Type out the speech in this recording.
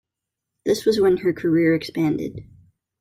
This was when her career expanded.